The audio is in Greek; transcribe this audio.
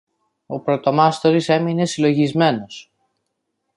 Ο πρωτομάστορης έμεινε συλλογισμένος.